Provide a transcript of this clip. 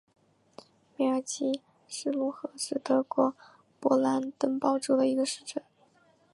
梅尔基施卢赫是德国勃兰登堡州的一个市镇。